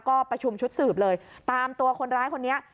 ก็ประชุมชุดสืบเลยตามตัวคนร้ายคนนี้